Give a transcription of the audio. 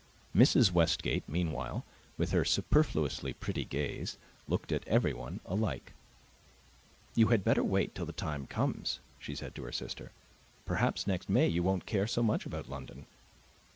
Mrs. Westgate meanwhile, with her superfluously pretty gaze, looked at everyone alike. "You had better wait till the time comes," she said to her sister. "Perhaps next May you won't care so much about London.